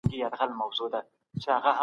مریم خپلې خبرې ونې ته کوي.